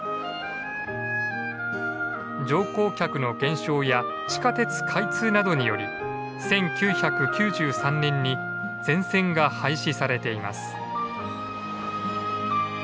乗降客の減少や地下鉄開通などにより１９９３年に全線が廃止されています。